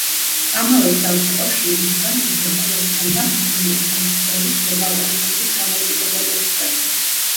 ამავე წელს იყო შიდსთან, ტუბერკულოზთან და მალარიასთან ბრძოლის გლობალური ფონდის დამოუკიდებელი ექსპერტი.